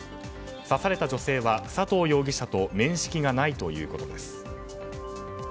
刺された女性は佐藤容疑者と面識がないということです。